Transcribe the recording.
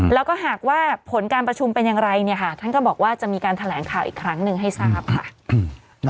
แล้วก็หากว่าผลการประชุมเป็นอย่างไรเนี่ยค่ะท่านก็บอกว่าจะมีการแถลงข่าวอีกครั้งหนึ่งให้ทราบค่ะ